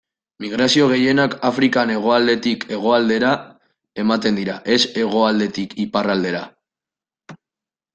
Migrazio gehienak Afrikan hegoaldetik hegoaldera ematen dira, ez hegoaldetik iparraldera.